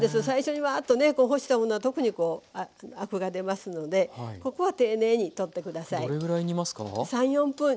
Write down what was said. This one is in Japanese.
最初にワーッとね干したものは特にこうアクが出ますのでここは丁寧に取ってください。